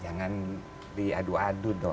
jangan diadu adu dong